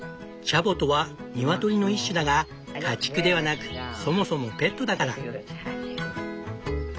チャボとはニワトリの一種だが家畜ではなくそもそもペットだから。